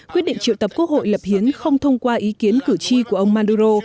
quyết định triệu tập quốc hội lập hiến không thông qua ý kiến cử tri của ông maduro